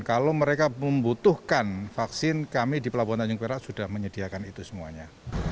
kalau mereka membutuhkan vaksin kami di pelabuhan tanjung perak sudah menyediakan itu semuanya